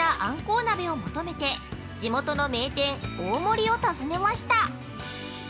鍋を求めて地元の名店、大森を訪ねました。